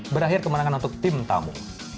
berakhir kemenangan untuk tim tamu